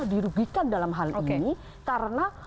dirugikan dalam hal ini karena